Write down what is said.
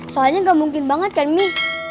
soalnya gak mungkin banget kan mi